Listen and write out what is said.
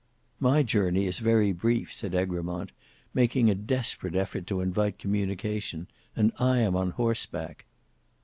"My journey is very brief," said Egremont, making a desperate effort to invite communication; "and I am on horseback!"